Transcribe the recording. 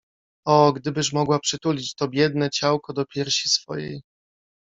O, gdybyż mogła przytulić to biedne ciałko do piersi swojej!